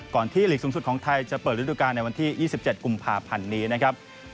ที่หลีกสูงสุดของไทยจะเปิดฤดูการในวันที่๒๗กุมภาพันธ์นี้นะครับ